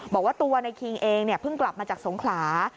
บอกว่าตัวในคิงเองเนี่ยเพิ่งกลับมาจากสงขลา